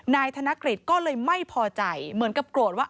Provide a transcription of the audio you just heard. นายกธนกฤษก็เลยไม่พอใจเหมือนกับโกรธว่า